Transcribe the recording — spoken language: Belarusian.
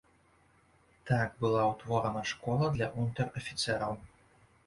Так была ўтворана школа для унтэр-афіцэраў.